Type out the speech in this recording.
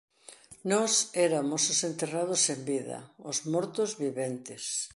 Nós eramos os enterrados en vida, os mortos viventes.